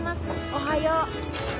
おはよう。